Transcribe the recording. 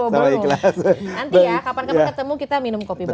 nanti ya kapan kapan ketemu kita minum kopi baru